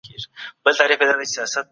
دوی ته د ژوند کولو امید ورکړئ.